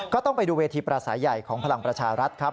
ก็ต้องไปดูเวทีปราศัยใหญ่ของพลังประชารัฐครับ